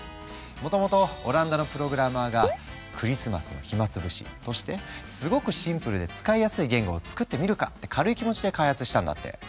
もともとオランダのプログラマーがクリスマスの暇潰しとしてすごくシンプルで使いやすい言語を作ってみるかって軽い気持ちで開発したんだって。